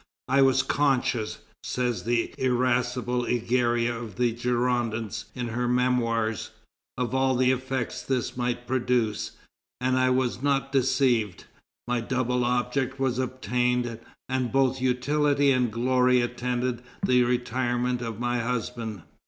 "I was conscious," says the irascible Egeria of the Girondins in her Memoirs, "of all the effects this might produce, and I was not deceived; my double object was attained, and both utility and glory attended the retirement of my husband.